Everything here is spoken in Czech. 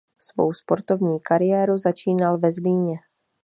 Svou sportovní kariéru začínal ve Zlíně.